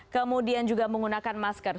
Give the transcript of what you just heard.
kemudian juga menggunakan masker